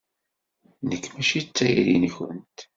Nekk mačči d tayri-nkent.